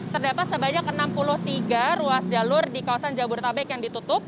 terdapat sebanyak enam puluh tiga ruas jalur di kawasan jabodetabek yang ditutup